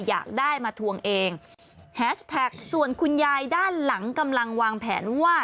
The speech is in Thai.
อยากได้มาทวงเองแฮชแท็กส่วนคุณยายด้านหลังกำลังวางแผนว่า